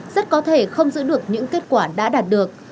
rất có thể không giữ được những kết quả đã đạt được